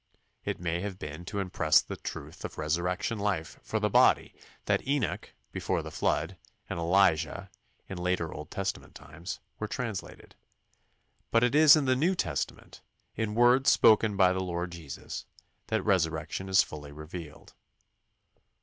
It may have been to impress the truth of resurrection life for the body that Enoch, before the flood, and Elijah, in later Old Testament times, were translated; but it is in the New Testament, in words spoken by the Lord Jesus, that resurrection is fully revealed.